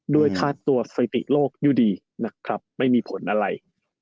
ด้วยค่าตัวสถิติโลกอยู่ดีนะครับไม่มีผลอะไร